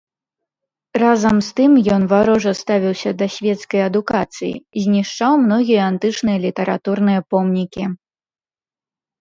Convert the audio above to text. Разам з тым ён варожа ставіўся да свецкай адукацыі, знішчаў многія антычныя літаратурныя помнікі.